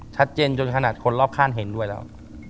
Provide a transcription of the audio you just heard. จนขนาดคนรอบข้างเห็นด้วยแล้ว